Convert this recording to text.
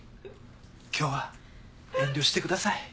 今日は遠慮してください。